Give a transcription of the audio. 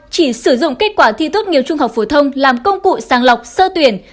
chỉ sử dụng kết quả thi tốt nghiệp trung học phổ thông làm công cụ sang lọc sơ tuyển